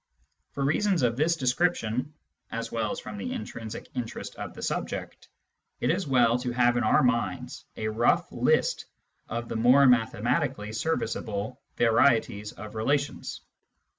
For reasons of this description, as well as from the intrinsic interest of the subject, it is well to have in our minds a rough list of the more mathematically serviceable varieties of relations.